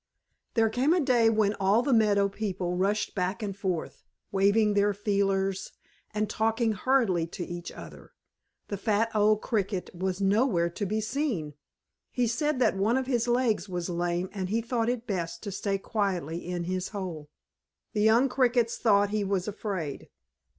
There came a day when all the meadow people rushed back and forth, waving their feelers and talking hurriedly to each other. The fat old Cricket was nowhere to be seen. He said that one of his legs was lame and he thought it best to stay quietly in his hole. The young Crickets thought he was afraid.